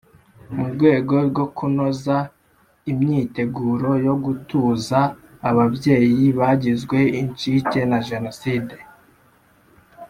Mu rwego rwo kunoza imyiteguro yo gutuza ababyeyi bagizwe incike na Jenoside